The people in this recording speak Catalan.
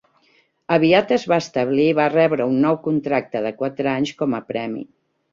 Aviat es va establir i va rebre un nou contracte de quatre anys com a premi.